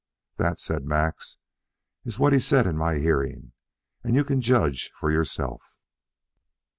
That," said Max, "is what he said in my hearing, and you can judge for yourself."